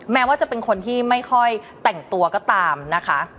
แม้ว่าจะเป็นคนที่ไม่ค่อยแต่งตัวก็ตามนะคะ